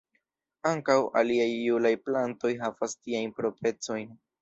Ankaŭ aliaj julaj plantoj havas tiajn proprecojn.